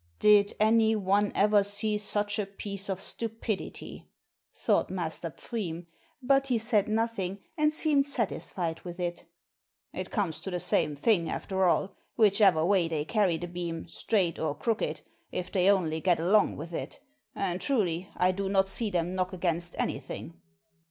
"Did any one ever see such a piece of stupidity?" thought Master Pfriem; but he said nothing, and seemed satisfied with it. "It comes to the same thing after all, whichever way they carry the beam, straight or crooked, if they only get along with it, and truly I do not see them knock against anything."